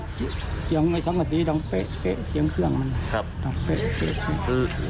เสียงไอ้สังฆษีดังเป๊ะเป๊ะเสียงเครื่องมันครับดังเป๊ะเสียงเครื่อง